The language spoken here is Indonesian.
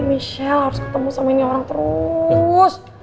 michelle harus ketemu sama ini orang terus